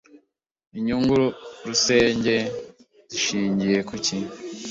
Inyungu rusenge zishingire kuki?